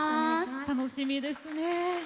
楽しみですね。